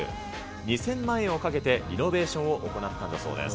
２０００万円をかけてリノベーションを行ったんだそうです。